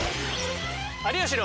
「有吉の」。